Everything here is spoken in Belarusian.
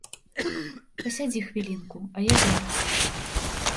Пасядзі хвілінку, а я зараз.